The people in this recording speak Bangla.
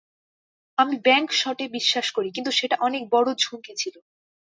আমি ব্যাংক শটে বিশ্বাস করি, কিন্তু সেটা অনেক বড় ঝুঁকি ছিল।